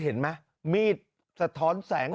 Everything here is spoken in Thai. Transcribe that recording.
เห็นไหมมีดสะท้อนแสง